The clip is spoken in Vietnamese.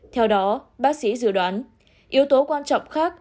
theo đó bác sĩ dự đoán yếu tố quan trọng khác